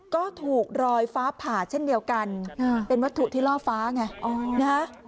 ก็ถูกรอยฟ้าผ่าเช่นเดียวกันเป็นวัตถุที่ล่อฟ้าไงนะฮะ